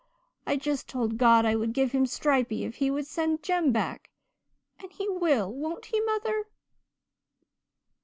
I just told God I would give Him Stripey if He would send Jem back. And He will, won't He, mother?'